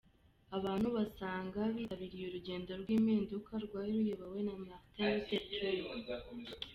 Abantu basaga , bitabiriye urugendo rw’impinduka rwari ruyobowe na Martin Luther King, Jr.